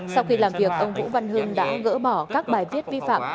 sau khi làm việc ông vũ văn hưng đã gỡ bỏ các bài viết vi phạm